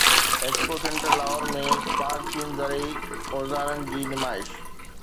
expo centre Lahore ۾ Pak چين زرعي اوزارن جي نمائش